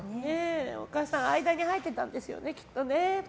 お母さん間に入ってたんですよね、きっと。